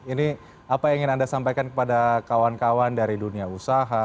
ini apa yang ingin anda sampaikan kepada kawan kawan dari dunia usaha